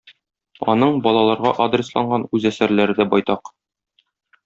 Аның балаларга адресланган үз әсәрләре дә байтак.